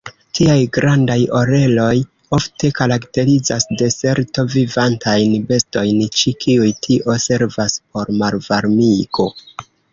Tiaj grandaj oreloj ofte karakterizas deserto-vivantajn bestojn, ĉi kiuj tio servas por malvarmigo.